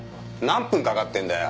何分かかってんだよ。